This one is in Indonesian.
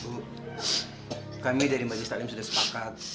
bu kami dari bajis taklim sudah sepakat